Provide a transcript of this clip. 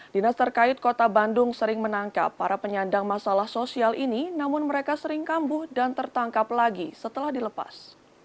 dinas terkait kota bandung sering menangkap para penyandang masalah sosial ini namun mereka sering kambuh dan tertangkap lagi setelah dilepas